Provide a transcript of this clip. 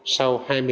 sau hai mươi năm